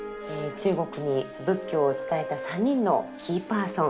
中国に仏教を伝えた３人のキーパーソン。